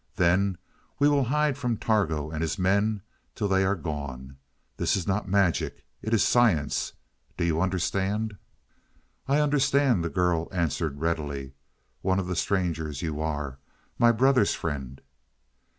Then we will hide from Targo and his men till they are gone. This is not magic; it is science. Do you understand?" "I understand," the girl answered readily. "One of the strangers you are my brother's friend."